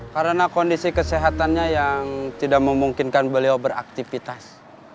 karena kondisi kesehatannya yang tidak memungkinkan beliau beraktivitas